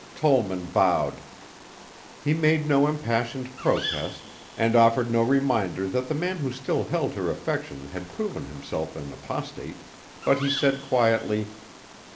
Tollman bowed. He made no impassioned protest and offered no reminder that the man who still held her affection had proven himself an apostate, but he said quietly.